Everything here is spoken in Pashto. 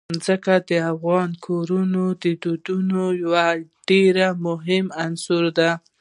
ځمکه د افغان کورنیو د دودونو یو ډېر مهم عنصر دی.